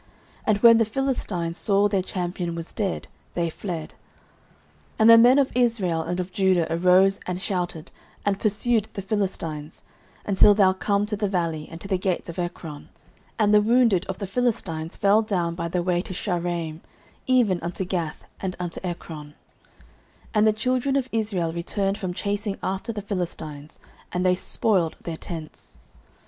And when the Philistines saw their champion was dead, they fled. 09:017:052 And the men of Israel and of Judah arose, and shouted, and pursued the Philistines, until thou come to the valley, and to the gates of Ekron. And the wounded of the Philistines fell down by the way to Shaaraim, even unto Gath, and unto Ekron. 09:017:053 And the children of Israel returned from chasing after the Philistines, and they spoiled their tents.